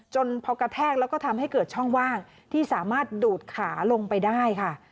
พอกระแทกแล้วก็ทำให้เกิดช่องว่างที่สามารถดูดขาลงไปได้ค่ะ